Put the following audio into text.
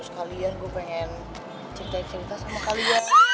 sekalian gue pengen cerita cerita sama kalian